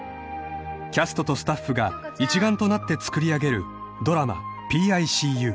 ［キャストとスタッフが一丸となってつくり上げるドラマ『ＰＩＣＵ』］